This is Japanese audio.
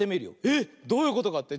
えっどういうことかって？